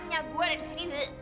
nyak gue ada disini